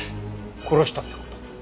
殺したって事？